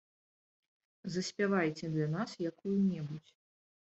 Заспявайце для нас якую-небудзь.